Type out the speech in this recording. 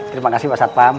terima kasih pak satpam